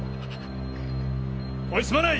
おいすまない！